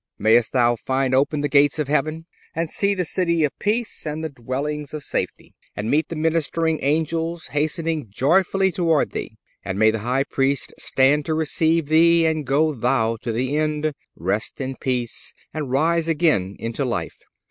mayest thou find open the gates of heaven, and see the city of peace and the dwellings of safety, and meet the ministering angels hastening joyfully toward thee. And may the High Priest stand to receive thee, and go thou to the end, rest in peace, and rise again into life.